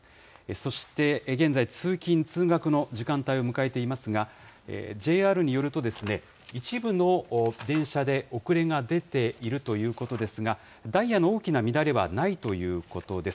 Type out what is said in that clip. そして現在、通勤・通学の時間帯を迎えていますが、ＪＲによると、一部の電車で遅れが出ているということですが、ダイヤの大きな乱れはないということです。